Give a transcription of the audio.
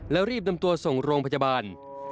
แล้วรีบนำตัวส่งโรงพยาบาล